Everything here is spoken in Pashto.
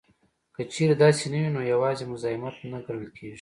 که چېرې داسې نه وي نو یوازې مزاحمت نه ګڼل کیږي